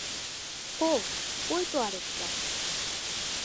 ওহ, ওইতো আরেকটা।